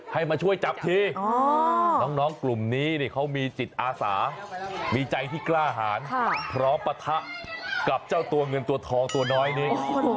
ให้มาช่วยจับทีน้องกลุ่มนี้เขามีจิตอาสามีใจที่กล้าหารพร้อมปะทะกับเจ้าตัวเงินตัวทองตัวน้อยนี้